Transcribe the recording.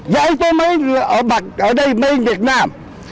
giấy tôi mặc ở đây mây việt nam